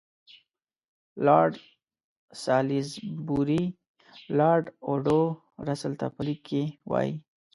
لارډ سالیزبوري لارډ اوډو رسل ته په لیک کې وایي.